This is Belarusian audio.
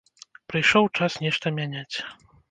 Прыйшоў час нешта мяняць.